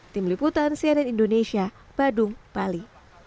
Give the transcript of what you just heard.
tim liputan cnn indonesia badung bali